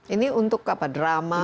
ini untuk apa drama